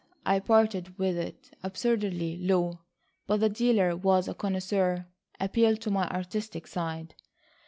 I parted with it absurdly low, but the dealer was a connoisseur—appealed to my artistic side."